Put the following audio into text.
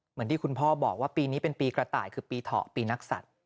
เหมือนที่คุณพ่อบอกว่าปีนี้เป็นปีกระต่ายคือปีเถาะปีนักศัตริย์